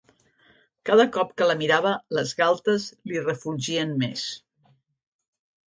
Cada cop que la mirava les galtes li refulgien més.